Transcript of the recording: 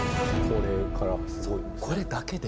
これだけで？